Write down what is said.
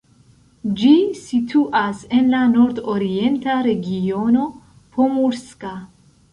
Ĝi situas en la nordorienta regiono Pomurska.